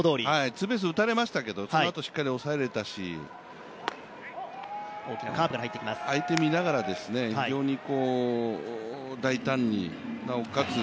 ツーベース打たれましたけど、そのあと、しっかり抑えられたし、相手を見ながら非常に大胆に、なおかつ